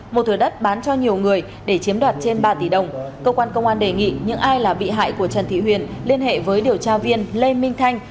một thừa đất bán cho nhiều người để chiếm đoạt trên ba tỷ đồng cơ quan công an đề nghị những ai là bị hại của trần thị huyền liên hệ với điều tra viên lê minh thanh